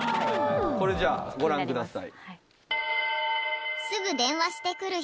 これじゃあご覧ください。